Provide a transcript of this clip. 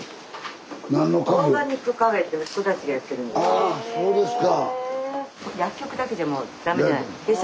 あっそうですか。